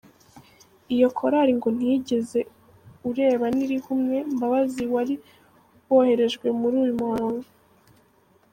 Iyo korali ngo ntiyigeze ureba n’irihumye Mbabazi wari woherejwe muri uyu muhango.